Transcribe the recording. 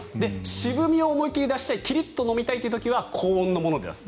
渋みを思いきり出したいキリッと飲みたい時は高温のもので出すと。